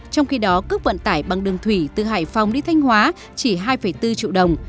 trong khi đó cước vận tải bằng đường thủy từ hải phòng đi thanh hóa chỉ hai bốn triệu đồng